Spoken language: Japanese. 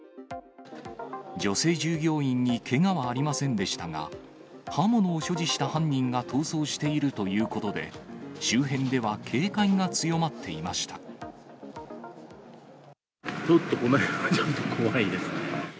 女性従業員にけがはありませんでしたが、刃物を所持した犯人が逃走しているということで、ちょっとこのへんは、ちょっと怖いですね。